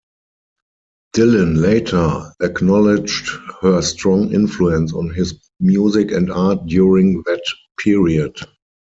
Dylan later acknowledged her strong influence on his music and art during that period.